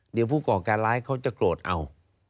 เดี๋ยวผู้ก่อการร้ายเขาจะโกรธเอา